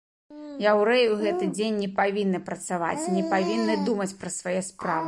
Яўрэі ў гэты дзень не павінны працаваць, не павінны думаць пра свае справы.